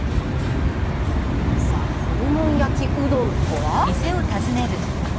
さあホルモン焼きうどんとは？